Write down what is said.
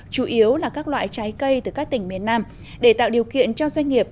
chủ yếu là các loại trái cây từ các tỉnh miền nam để tạo điều kiện cho doanh nghiệp